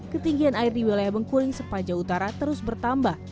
ketinggian air di wilayah bengkuring sepanjang utara terus bertambah